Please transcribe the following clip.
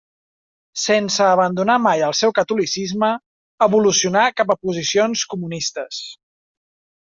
Sense abandonar mai el seu catolicisme evolucionà cap a posicions comunistes.